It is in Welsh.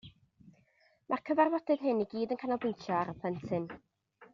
Mae'r cyfarfodydd hyn i gyd yn canolbwyntio ar y plentyn